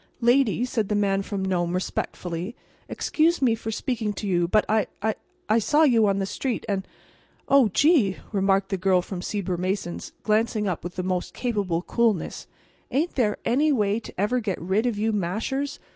"Lady," said the Man from Nome, respectfully, "excuse me for speaking to you, but I—I—I saw you on the street, and—and—" "Oh, gee!" remarked the Girl from Sieber Mason's, glancing up with the most capable coolness. "Ain't there any way to ever get rid of you mashers?